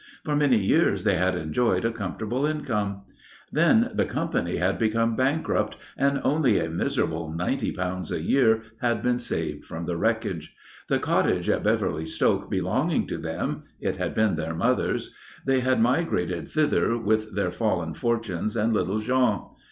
For many years they had enjoyed a comfortable income. Then the company had become bankrupt and only a miserable ninety pounds a year had been saved from the wreckage. The cottage at Beverly Stoke belonging to them it had been their mother's they had migrated thither with their fallen fortunes and little Jean.